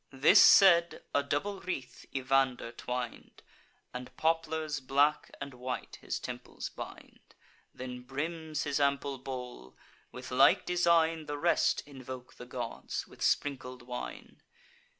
This said, a double wreath Evander twin'd, And poplars black and white his temples bind. Then brims his ample bowl. With like design The rest invoke the gods, with sprinkled wine.